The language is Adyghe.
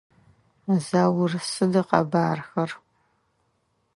Заур сыд ыкъэбархэр?